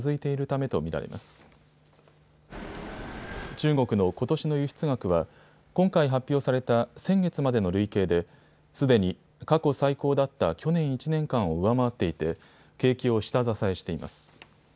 中国のことしの輸出額は今回発表された先月までの累計ですでに過去最高だった去年１年間を上回っていて景気を下支えしています。